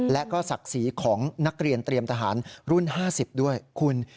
และก็ศักดิ์ศรีของนักเรียนเตรียมทหารรุ่น๕๐ด้วยคุณ